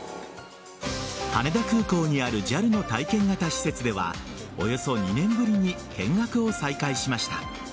羽田空港にあるＪＡＬの体験型施設ではおよそ２年ぶりに見学を再開しました。